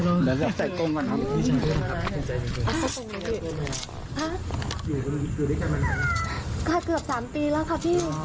ขอบคุณมากต่อครับ